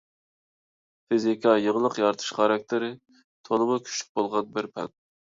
فىزىكا — يېڭىلىق يارىتىش خاراكتېرى تولىمۇ كۈچلۈك بولغان بىر پەن.